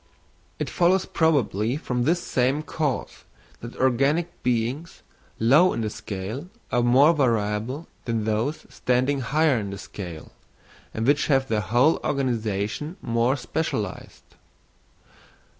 It follows probably from this same cause, that organic beings low in the scale are more variable than those standing higher in the scale, and which have their whole organisation more specialised.